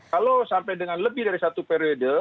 kalau sampai dengan lebih dari satu periode